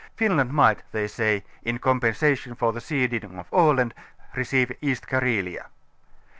Finland might, they say, in compensation for the ceding of Aland receive East Carelia.